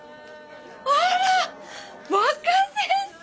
あら若先生！